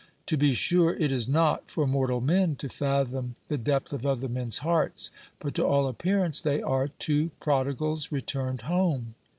To be sure, it is not for mortal men to fathom the depth of other men's hearts; but to all appearance they are two prodigals returned home.